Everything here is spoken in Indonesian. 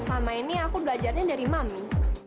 selama ini aku belajarnya dari mami